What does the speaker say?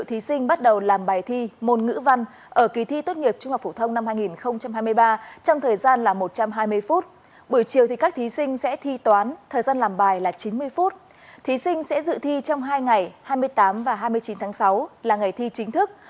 thí sinh sẽ dự thi trong hai ngày hai mươi tám và hai mươi chín tháng sáu là ngày thi chính thức